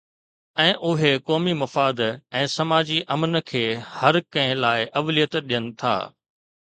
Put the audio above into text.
۽ اهي قومي مفاد ۽ سماجي امن کي هر ڪنهن لاءِ اوليت ڏين ٿا.